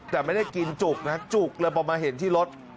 แต่ไม่ได้กินจุกนะจุกเลยพอมาเห็นที่รถ